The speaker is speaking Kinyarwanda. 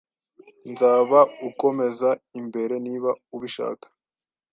Nzaba ukomeza imbere niba ubishaka